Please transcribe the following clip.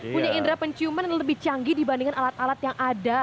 punya indera penciuman yang lebih canggih dibandingkan alat alat yang ada